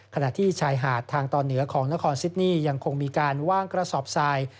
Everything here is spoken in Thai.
ขณะที่ชายหาดทางตอนเหนือของนครซิดนี่ยังคงมีการว่างกระสอบทราย